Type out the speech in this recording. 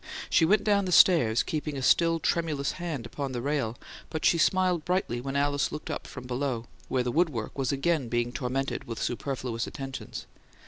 She went down the stairs, keeping a still tremulous hand upon the rail; but she smiled brightly when Alice looked up from below, where the woodwork was again being tormented with superfluous attentions.